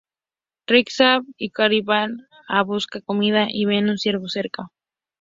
Rick, Shane y Carl van a buscar comida y ven un ciervo cerca.